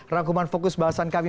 rangkuman fokus bahasan kami